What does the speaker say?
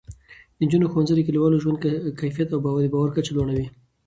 د نجونو ښوونځی د کلیوالو ژوند کیفیت او د باور کچه لوړوي.